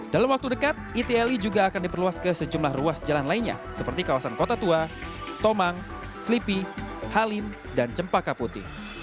dalam waktu dekat itli juga akan diperluas ke sejumlah ruas jalan lainnya seperti kawasan kota tua tomang slipi halim dan cempaka putih